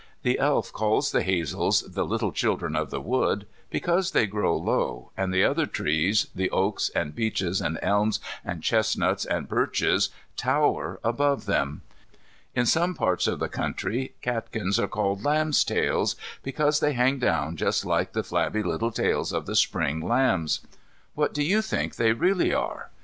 The Elf calls the hazels "the little children of the wood" because they grow low, and the other trees, the oaks, and beeches, and elms, and chest nuts, and birches, tower above them. In some parts of the country catkins are called lambstails, because they hang down just like the flabby little tails of the Spring lambs. What do you think they really are?